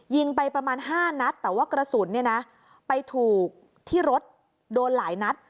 ยิงไปประมาณ๕นัดแต่ว่ากระสุนเนี่ยนะไปถูกที่รถโดนหลายนัด